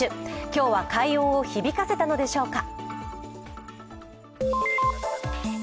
今日は快音を響かせたのでしょうか。